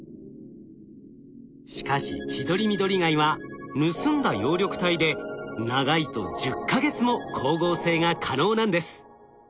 しかしチドリミドリガイは盗んだ葉緑体で長いと１０か月も光合成が可能なんです。